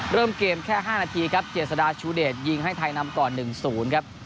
เริ่มเกมแค่๕นาทีครับเจษฎาชูเดชยิงให้ไทยนำก่อน๑๐ครับ